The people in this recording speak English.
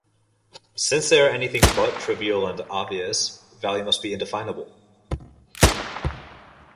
Since they are anything but trivial and obvious, value must be indefinable.